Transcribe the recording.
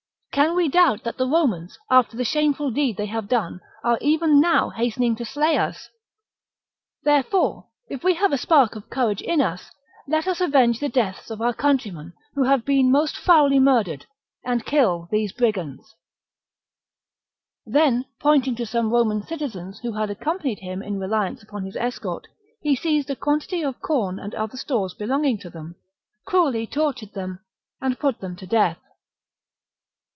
Can we doubt that the Romans, after the shameful deed they have done, are even now hastening to slay us ? Therefore, if we have a spark of courage in us, let us avenge the deaths of our countrymen. 236 THE REBELLION BOOK 52 B.C. Eporedorix informs Caesar of Litaviccus's design. who have been most foully murdered, and kill these brigands." Then, pointing to some Roman citizens who had accompanied him in reliance upon his escort, he seized a quantity of corn and other stores belonging to them, cruelly tortured them, and put them to death.